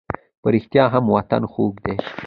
په رښتیا هم وطن خوږ دی.